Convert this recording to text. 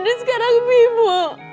dan sekarang mimu